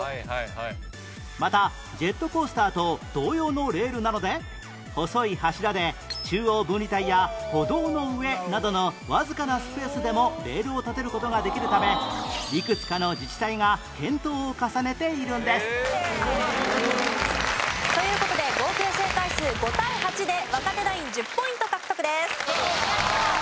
またジェットコースターと同様のレールなので細い柱で中央分離帯や歩道の上などのわずかなスペースでもレールを建てる事ができるためという事で合計正解数５対８で若手ナイン１０ポイント獲得です。